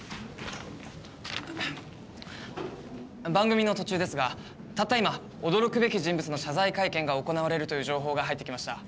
番組の途中ですがたった今驚くべき人物の謝罪会見が行われるという情報が入ってきました。